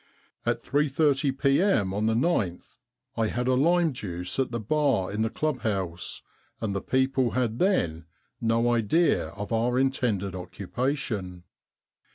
At 3.30 p.m. on the gth I had a lime juice at the bar in the club house, and the people had then no idea of our intended occupation.